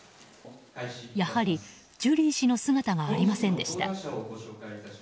やはり、ジュリー氏の姿がありませんでした。